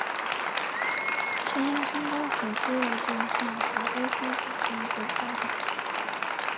血压升高和肌肉震颤和呼吸减慢则较罕见。